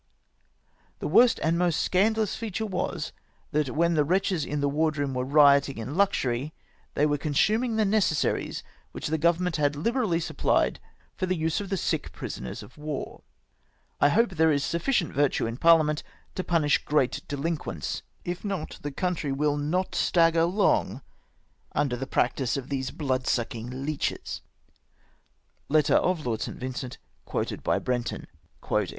The worst and most scandalous feature was, that when the wretches in the wardroom were rioting in luxury they were consuming the necessaries which the Grovernment had liberally supplied for the use of the sick prisoners of war. " I hope there is sufficient virtue in Parliament to punish great delinquents, if not the country will not stagger long under the practice of these blood sucking leeches.''^— {Letter of Lord St. Vincent, quoted hij Brenton.)